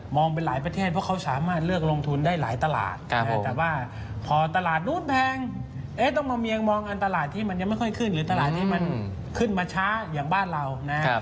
ไปหลายประเทศเพราะเขาสามารถเลือกลงทุนได้หลายตลาดแต่ว่าพอตลาดนู้นแพงต้องมาเมียงมองอันตลาดที่มันยังไม่ค่อยขึ้นหรือตลาดนี้มันขึ้นมาช้าอย่างบ้านเรานะ